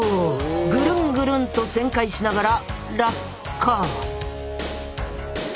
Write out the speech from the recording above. ぐるんぐるんと旋回しながら落下！